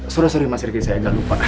sudah sudah mas ricky saya gak lupa